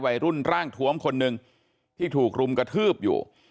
วัยรุ่นร่างทวมคนหนึ่งที่ถูกรุมกระทืบอยู่